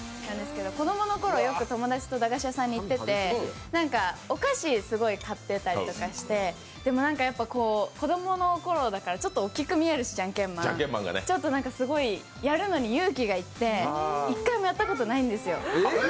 子供のころ、よく友達と駄菓子屋さんに行ってて、お菓子をすごい買ってたりとかしてでも、子供の頃だからちょっと大きく見えるしちょっとやるのに勇気が要って一回もやったことないんですよ。